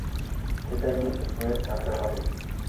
Ese año se fue al Real Madrid.